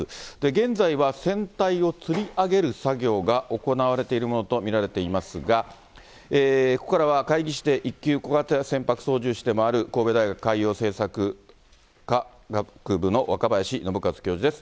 現在は船体をつり上げる作業が行われているものと見られていますが、ここからは海技士で、１級小型船舶操縦士でもある神戸大学海洋政策科学科の若林伸和教授です。